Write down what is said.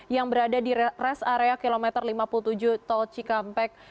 yang berada di rest area kilometer lima puluh tujuh tol cikampek